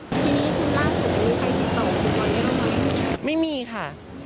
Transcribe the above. ที่นี่คุณล่าสุดมีใครติดต่อกันได้หรือไม่